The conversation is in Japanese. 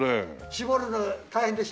搾るの大変でしょ。